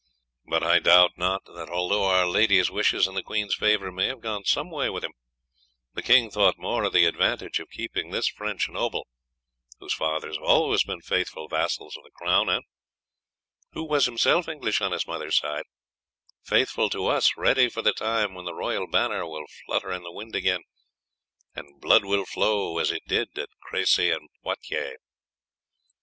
But I doubt not that, although our lady's wishes and the queen's favour may have gone some way with him, the king thought more of the advantage of keeping this French noble, whose fathers have always been faithful vassals of the crown, and who was himself English on his mother's side, faithful to us, ready for the time when the royal banner will flutter in the wind again, and blood will flow as it did at Cressy and Poitiers.